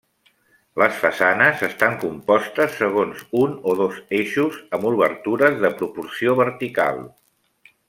Les façanes estan compostes segons un o dos eixos amb obertures de proporció vertical.